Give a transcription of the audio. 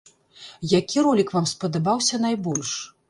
Які ролік вам спадабаўся найбольш?